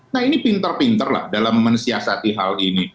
nah ini pinter pinter lah dalam mensiasati hal ini